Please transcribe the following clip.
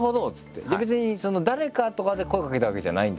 「別に誰かとかで声かけたわけじゃないんだ？」